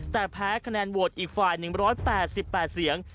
แต่แพ้คะแนนโหวตอีกฝ่าย๑๘๘เสียง